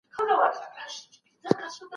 زه بايد مځکي ته وګورم.